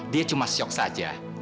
dia cuma syok saja